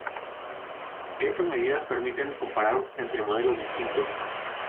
Estas medidas permiten comparar entre modelos distintos.